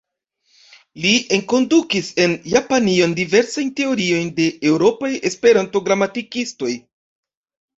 Li enkondukis en Japanion diversajn teoriojn de eŭropaj Esperanto-gramatikistoj.